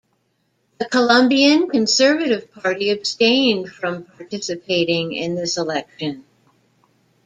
The Colombian Conservative Party abstained from participating in this election.